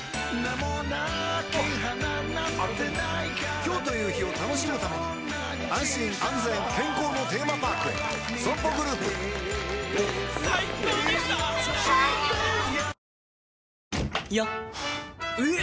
今日という日を楽しむために安心安全健康のテーマパークへＳＯＭＰＯグループよっ！